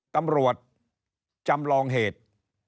ตำรวจจำลองเหตุ